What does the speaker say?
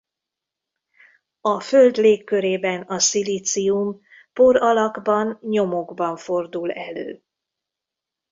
A Föld légkörében a szilícium por alakban nyomokban fordul elő.